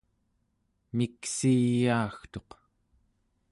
miksiyaagtuq